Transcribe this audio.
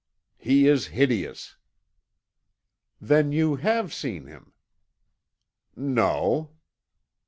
"He is hideous." "Then you have seen him." "No."